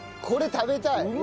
これ食べたい！